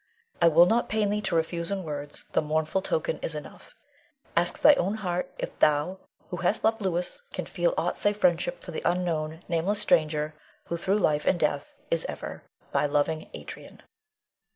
I will not pain thee to refuse in words, the mournful token is enough. Ask thine own heart if thou, who hast loved Louis, can feel aught save friendship for the unknown, nameless stranger, who through life and death is ever Thy loving Adrian.